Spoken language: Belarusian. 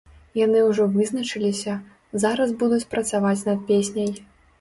Яны ўжо вызначыліся, зараз будуць працаваць над песняй.